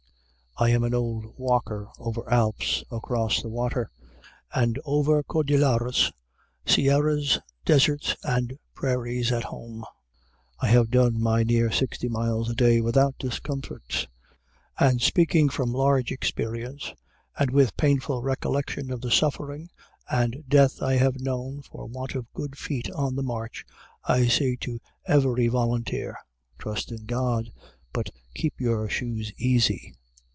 I am an old walker over Alps across the water, and over Cordilleras, Sierras, Deserts and Prairies at home; I have done my near sixty miles a day without discomfort, and speaking from large experience, and with painful recollections of the suffering and death I have known for want of good feet on the march, I say to every volunteer: Trust in God; BUT KEEP YOUR SHOES EASY!